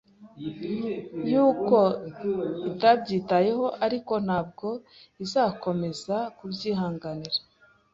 yuko itabyitayeho, ariko ntabwo izakomeza kubyihanganira